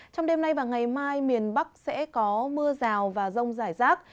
trong đêm nay và ngày mai miền bắc sẽ có mưa rào và rông rải rác